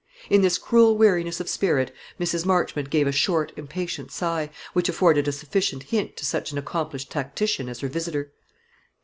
In this cruel weariness of spirit Mrs. Marchmont gave a short impatient sigh, which afforded a sufficient hint to such an accomplished tactician as her visitor.